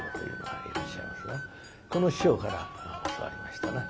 この師匠から教わりましたな。